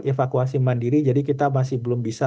evakuasi mandiri jadi kita masih belum bisa